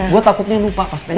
gue takutnya lupa cosplaynya